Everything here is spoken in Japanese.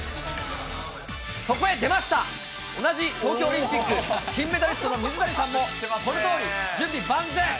そこへ出ました、同じ東京オリンピック金メダリストの水谷さんも、このとおり、準備万全。